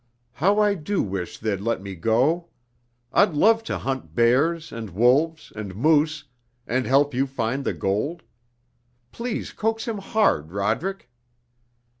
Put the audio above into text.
How I do wish they'd let me go! I'd love to hunt bears, and wolves, and moose, and help you find the gold. Please coax him hard, Roderick!"